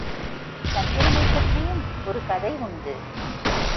சந்திரனைப் பற்றியும் ஒரு கதை உண்டு.